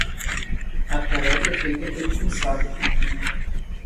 A tarefa é feita pelo cansado.